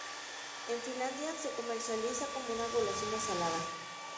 En Finlandia se comercializa como una golosina salada.